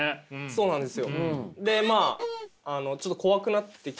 そうなんです。